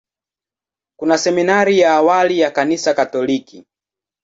Kuna seminari ya awali ya Kanisa Katoliki.